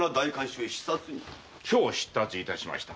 今日出立しました。